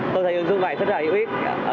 tôi thấy ứng dụng này rất là hữu ích